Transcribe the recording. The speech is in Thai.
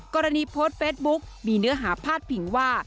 กรณีโพสต์เฟสบุ๊คมีเนื้อหาพาดพิงว่า